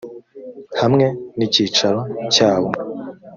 hamwe n icyicaro cyawo